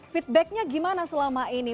feedbacknya gimana selama ini